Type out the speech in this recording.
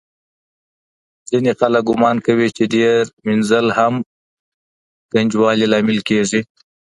ځینې خلک ګومان کوي چې ډېره مینځل هم ګنجوالی لامل کېږي.